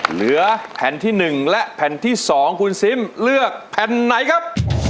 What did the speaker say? เหลือแผ่นที่๑และแผ่นที่๒คุณซิมเลือกแผ่นไหนครับ